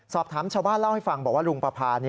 ชาวบ้านเล่าให้ฟังบอกว่าลุงประพา